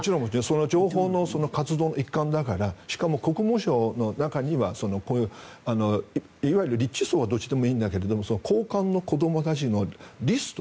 その情報も活動の一環だからしかも国務省の中にはいわゆるリッチ層はどっちでもいいんだけど高官の子どもたちのリスト